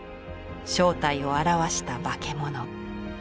正体を現した化け物。